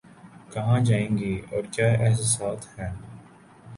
کہاں جائیں گی اور کیا احساسات ہیں